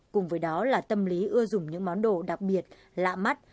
cùng với đó là tâm lý ưa dùng những món đồ đặc biệt lạ mắt